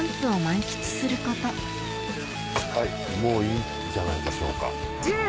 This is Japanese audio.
もういいんじゃないでしょうか。